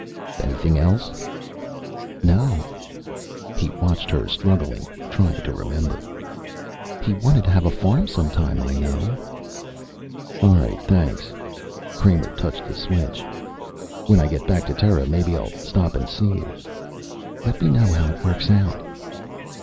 "Anything else?" "No." He watched her struggling, trying to remember. "He wanted to have a farm, sometime, I know." "All right. Thanks." Kramer touched the switch. "When I get back to Terra maybe I'll stop and see you." "Let me know how it works out."